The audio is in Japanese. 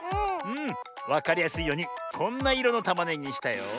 わかりやすいようにこんないろのたまねぎにしたよ。